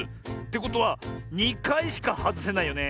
てことは２かいしかはずせないよね。